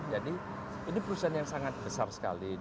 jadi ini perusahaan yang sangat besar sekali